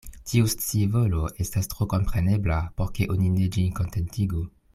Tiu scivolo estas tro komprenebla, por ke oni ne ĝin kontentigu.